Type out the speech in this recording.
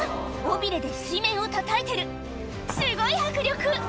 尾びれで水面をたたいてるすごい迫力！